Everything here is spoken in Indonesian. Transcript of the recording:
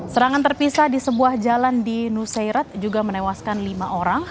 serangan terpisah di sebuah jalan di nusairet juga menewaskan lima orang